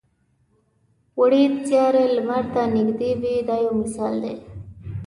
وړې سیارې لمر ته نږدې وي دا یو مثال دی.